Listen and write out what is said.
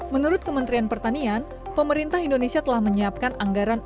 menurut kementerian pertanian pemerintah indonesia telah menyiapkan anggaran